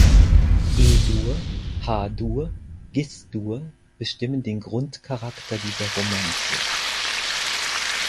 E-Dur, H-Dur und Gis-Dur bestimmen den Grundcharakter dieser Romanze.